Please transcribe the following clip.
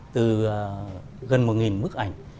từ gần một bức ảnh